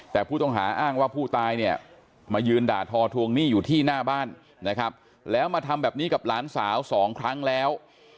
แต่ผู้ต้องหาอ้างว่าผู้ตายเนี่ยมายืนด่าทอทวงหนี้อยู่ที่หน้าบ้านนะครับแล้วมาทำแบบนี้กับหลานสาวสองครั้งแล้ว